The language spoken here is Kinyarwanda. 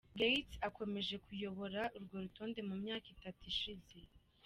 Gates akomeje kuyobora urwo rutonde mu myaka itatu ishize.